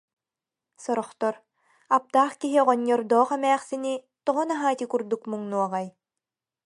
Сорохтор: «Аптаах киһи оҕонньордоох эмээхсини, тоҕо наһаа ити курдук муҥнуоҕай